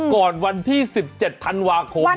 วันที่๑๗ธันวาคม